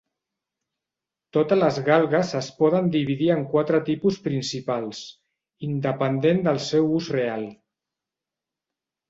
Totes les galgues es poden dividir en quatre tipus principals, independent del seu ús real.